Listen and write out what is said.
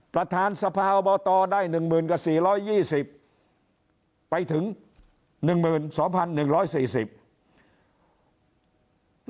ประธานสภาอบตได้๑๐๐๐กับ๔๒๐ไปถึง๑๒๑๔๐บาท